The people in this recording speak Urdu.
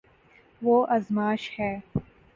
وہ ازماش ہے